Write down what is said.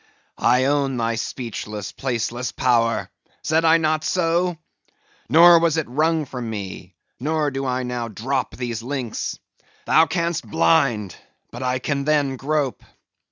_] "I own thy speechless, placeless power; said I not so? Nor was it wrung from me; nor do I now drop these links. Thou canst blind; but I can then grope.